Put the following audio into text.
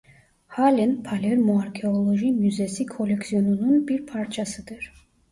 Halen "Palermo Arkeoloji Müzesi" kolleksiyonunun bir parçasıdır.